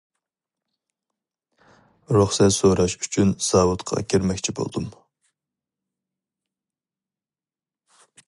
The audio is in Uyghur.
رۇخسەت سوراش ئۈچۈن زاۋۇتقا كىرمەكچى بولدۇم.